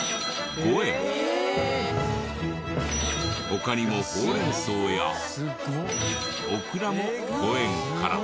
他にもほうれん草やオクラも５円から。